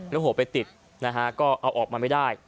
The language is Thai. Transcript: แล้วหัวไปติดนะฮะก็เอาออกมาไม่ได้